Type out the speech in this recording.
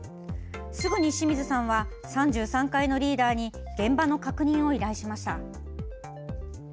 すぐに清水さんは３３階のリーダーに現場の確認を依頼しました。